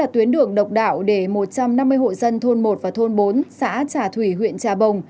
tuyến đường độc đạo để một trăm năm mươi hộ dân thôn một và thôn bốn xã trà thủy huyện trà bồng